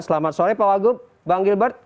selamat sore pak wagub bang gilbert